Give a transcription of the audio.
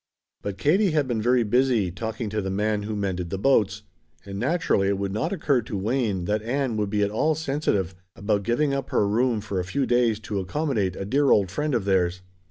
But Katie had been very busy talking to the man who mended the boats, and naturally it would not occur to Wayne that Ann would be at all sensitive about giving up her room for a few days to accommodate a dear old friend of theirs.